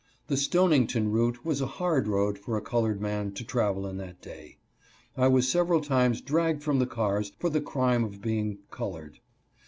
The Stonington route was a " hard road " for a colored man " to travel " in that day. I was several times dragged from the cars for the crime 276 TRUE MEN. of being colored.